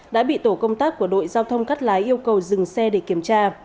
đã bị tổ công tác của đội giao thông cắt lái yêu cầu dừng xe để kiểm tra